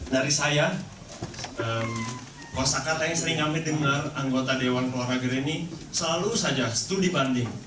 dari saya kalau saya kata yang sering ngambil dengar anggota dewan keluarga ini selalu saja itu dibanding